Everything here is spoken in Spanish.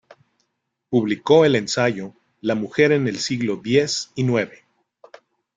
Publicó el ensayo "La mujer en el siglo diez y nueve.